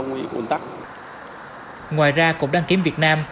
ngoài ra cũng đăng kiểm việt nam